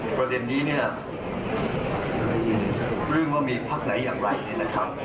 ประเด็นนี้เนี่ยเรื่องว่ามีพักไหนอย่างไรเนี่ยนะครับ